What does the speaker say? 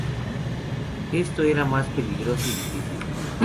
Esto era más peligroso y difícil.